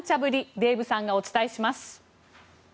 デーブさんがお伝えします。